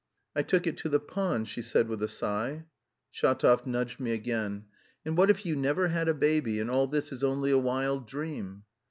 "I took it to the pond," she said with a sigh. Shatov nudged me again. "And what if you never had a baby and all this is only a wild dream?"